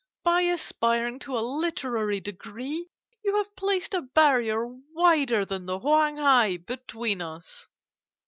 By aspiring to a literary degree, you have placed a barrier wider than the Whang Hai between us.